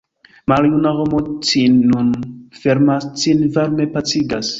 Maljuna homo cin nun fermas, cin varme pacigas.